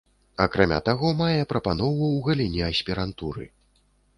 Акрамя таго, мае прапанову ў галіне аспірантуры.